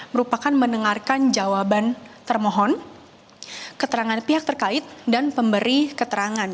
merupakan mendengarkan jawaban termohon keterangan pihak terkait dan pemberi keterangan